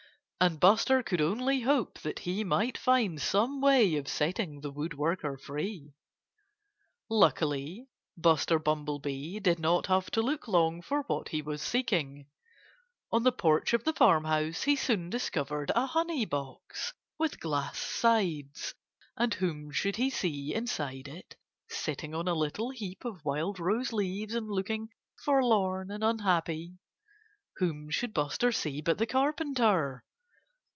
And Buster could only hope that he might find some way of setting the woodworker free. Luckily Buster Bumblebee did not have to look long for what he was seeking. On the porch of the farmhouse he soon discovered a honey box, with glass sides. And whom should he see inside it, sitting on a little heap of wild rose leaves and looking forlorn and unhappy whom should Buster see but the Carpenter.